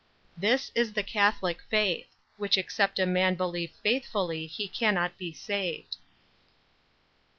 44. This is the catholic faith, which except a man believe faithfully he cannot be saved.